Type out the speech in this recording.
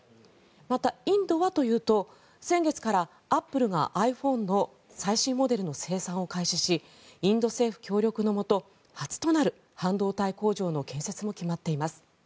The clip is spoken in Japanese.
また、インドはというと先月からアップルがｉＰｈｏｎｅの最新モデルの生産を開始しインド政府協力のもと初となる半導体工場の建設も決まっています。